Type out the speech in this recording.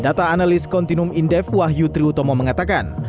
data analis kontinum indef wahyu triutomo mengatakan